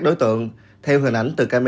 bị hai kẻ lạ mái